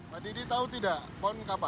pak didi tahu tidak pon kapal